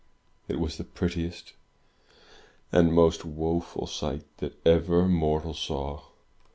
It was the prettiest and most woeful sight that ever mortal saw.